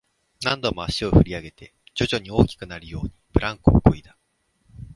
何度も足を振り上げて、徐々に大きくなるように、ブランコをこいだ